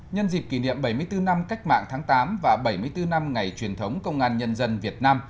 nhân dịp kỷ niệm bảy mươi bốn năm cách mạng tháng tám và bảy mươi bốn năm ngày truyền thống công an nhân dân việt nam